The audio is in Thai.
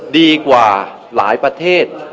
ดีกว่าหลายประเทศ